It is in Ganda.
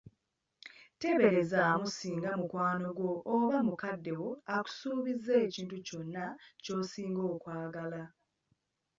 Teeberezaamu singa mukwano gwo oba mukadde wo akusuubizza ekintu kyonna ky'osinga okwagala.